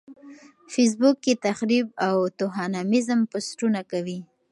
فېس بوک کې تخريب او توهيناميز پوسټونه کوي.